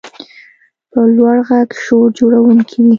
په لوړ غږ شور جوړونکی وي.